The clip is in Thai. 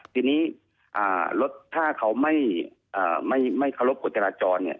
ทีนี้ถ้าเขาไม่เคารพกฎจราจร